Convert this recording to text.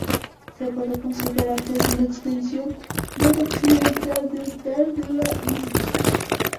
Se puede considerar que es una extensión noroccidental del Thar en la India.